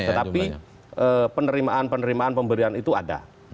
tetapi penerimaan penerimaan pemberian itu ada